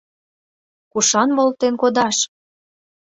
Кушан волтен кодаш?